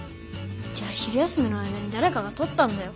じゃ昼休みの間にだれかがとったんだよ。